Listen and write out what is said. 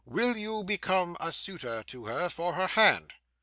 Will you become a suitor to her for her hand?